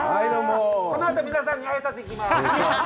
このあと皆さんに挨拶に行きます。